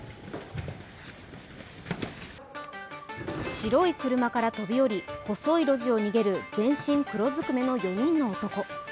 白い車から飛び降り、細い路地を逃げる全身黒ずくめの４人の男。